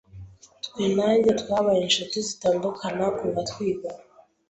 Twe na njye twabaye inshuti zitandukana kuva twiga.